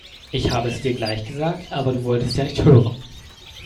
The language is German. Ich habe es dir gleich gesagt, aber du wolltest ja nicht hören.